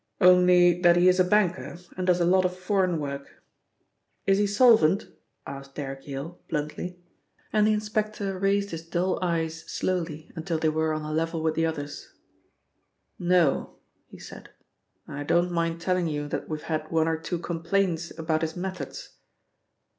"Only that he is a banker and does a lot of foreign work." "Is he solvent?" asked Derrick Yale bluntly, and the inspector raised his dull eyes slowly until they were on a level with the other's. "No," he said, "and I don't mind telling you that we've had one or two complaints about his methods."